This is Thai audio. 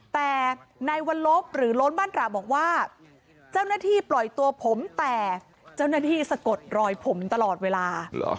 แต่ในวันลบหรือโล้นบ้านตราบอกว่าเจ้าหน้าที่ปล่อยตัวผมแต่เจ้าหน้าที่สะกดรอยผมตลอดเวลา